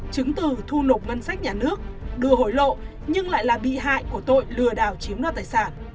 chứng từ thu nộp ngân sách nhà nước đưa hối lộ nhưng lại là bị hại của tội lừa đảo chiếm đoạt tài sản